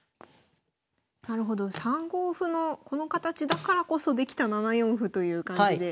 なるほど３五歩のこの形だからこそできた７四歩という感じで。